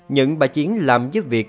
nhưng bà chiến làm giúp việc